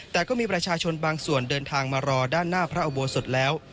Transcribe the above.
แต่ก็มีประชาชนบางส่วนเดินทางมารอด้านหน้าพระอุโบสถแล้ว